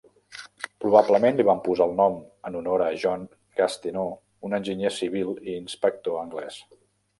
Probablement li van posar el nom en honor a John Gastineau, un enginyer civil i inspector anglès.